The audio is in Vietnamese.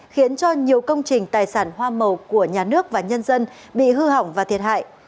khiến cho nhiều công trình tài sản hoa màu của nhà nước và nhân dân bị hư hỏng và thiệt hại